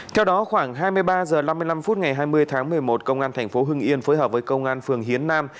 theo đó khoảng hai mươi ba h năm mươi năm phút ngày hai mươi tháng một mươi một công an tp hưng yên phối hợp với công an phường hiến nam